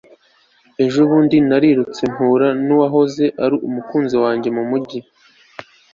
ejo bundi narirutse mpura nuwahoze ari umukunzi wanjye mumujyi